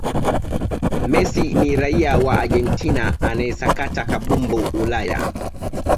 messi ni raia wa argentina anayesakata kambumbu ulaya